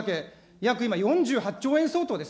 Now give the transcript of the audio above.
約今４８兆円相当です。